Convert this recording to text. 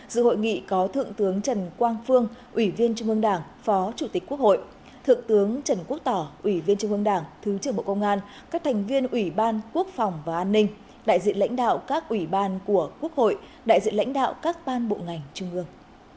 dự hội nghị có thượng tướng trần quang phương ủy viên trung ương đảng phó chủ tịch quốc hội thượng tướng trần quốc tỏ ủy viên trung ương đảng thứ trưởng bộ công an các thành viên ủy ban quốc phòng và an ninh đại diện lãnh đạo các ủy ban của quốc hội đại diện lãnh đạo các ban bộ ngành trung ương